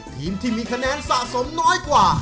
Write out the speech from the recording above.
ทีมที่มีคะแนนสะสมน้อยกว่า